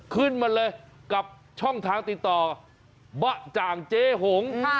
ขึ้นมาเลยกับช่องทางติดต่อบะจ่างเจ๊หง